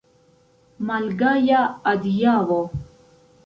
Malgaja adiaŭo!